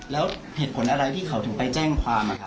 แล้วเหตุผลอะไรที่เขาถึงไปแจ้งความ